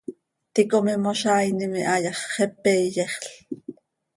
ticom imozaainim iha yax, xepe iyexl.